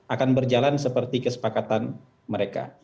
akan berjalan seperti kesepakatan mereka